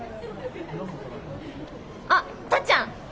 あっタッちゃん。